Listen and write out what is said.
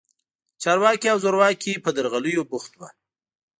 چارواکي او زورواکي په درغلیو بوخت وو.